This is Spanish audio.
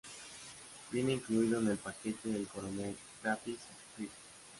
Viene incluido en el paquete de Corel Graphics Suite.